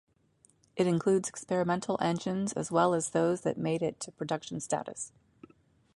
It includes experimental engines as well as those that made it to production status.